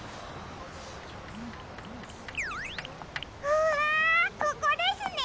うわここですね！